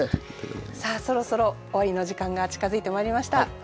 さあそろそろ終わりの時間が近づいてまいりました。